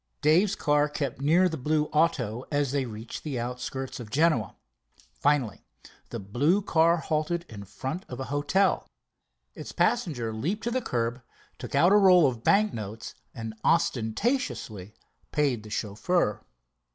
Dave's car kept near to the blue auto as they reached the outskirts of Genoa. Finally the blue car halted in front of a hotel. Its passenger leaped to the curb, took out a roll of banknotes, and ostentatiously paid the chauffeur.